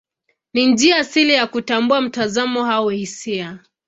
Ni njia asili ya kutambua mtazamo au hisia.